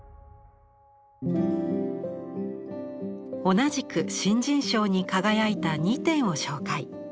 同じく新人賞に輝いた２点を紹介。